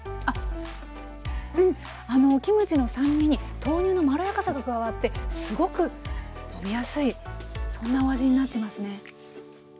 あっうんキムチの酸味に豆乳のまろやかさが加わってすごく飲みやすいそんなお味になってますね。